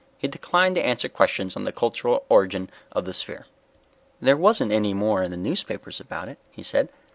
He declined to answer questions on the cultural origin of the sphere. "There wasn't any more in the newspapers about it," he said.